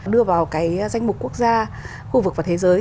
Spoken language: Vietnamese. đưa vào cái danh mục quốc gia khu vực và thế giới